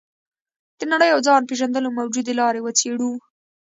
د نړۍ او ځان پېژندلو موجودې لارې وڅېړو.